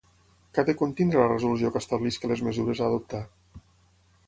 Què ha de contenir la resolució que estableixi les mesures a adoptar?